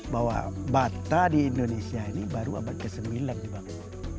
bahwa bata di indonesia ini baru abad ke sembilan dibangun